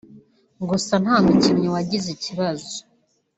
gusa nta mukinnyi wagize ikibazo